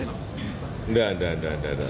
tidak tidak tidak